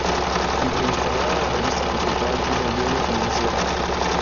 Entrevistadora de la Revista Capital y del Diario Financiero.